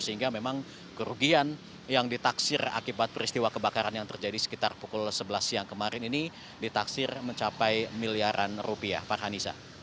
sehingga memang kerugian yang ditaksir akibat peristiwa kebakaran yang terjadi sekitar pukul sebelas siang kemarin ini ditaksir mencapai miliaran rupiah farhanisa